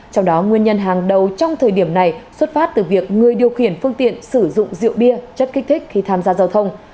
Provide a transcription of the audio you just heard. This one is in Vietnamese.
trong đó nguyên nhân hàng đầu trong thời điểm này xuất phát từ việc người điều khiển phương tiện sử dụng rượu bia chất kích thích khi tham gia giao thông